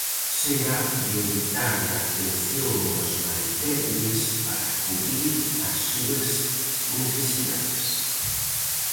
Será prioritaria a atención aos máis débiles para cubrir as súas necesidades.